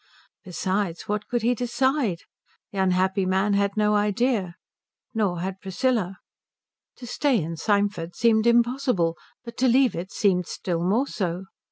Besides, what could he decide? The unhappy man had no idea. Nor had Priscilla. To stay in Symford seemed impossible, but to leave it seemed still more so.